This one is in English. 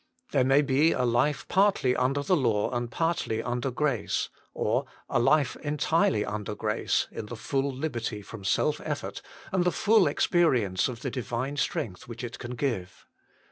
There may be a life partly under the law and partly under grace ; or, a life entirely under grace, in the full liberty from self effort, and the full experience of the Divine strength which it can give.